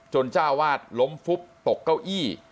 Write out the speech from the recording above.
เจ้าวาดล้มฟุบตกเก้าอี้